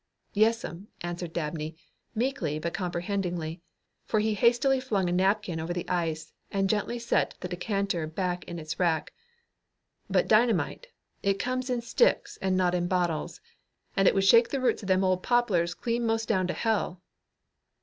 "Yes'm," answered Dabney, meekly but comprehendingly, for he hastily flung a napkin over the ice and gently set the decanter back in its rack. "But dynamite, it comes in sticks and not in bottles. And it would shake the roots of them old poplars clean most down to hell."